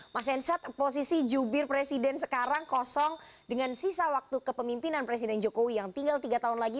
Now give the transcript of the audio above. mas hensat posisi jubir presiden sekarang kosong dengan sisa waktu kepemimpinan presiden jokowi yang tinggal tiga tahun lagi